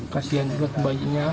kasian juga kebayinya